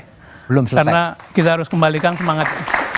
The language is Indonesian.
karena kita harus kembalikan semangat